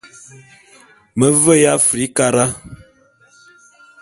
Me veya Afrikara.